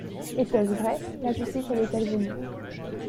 Était-ce vrai? la justice allait-elle venir